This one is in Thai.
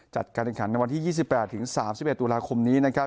จัดการแข่งขันในวันที่๒๘๓๑ตุลาคมนี้นะครับ